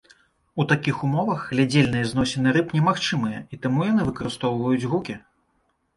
У такіх умовах глядзельныя зносіны рыб немагчымыя, і таму яны выкарыстоўваюць гукі.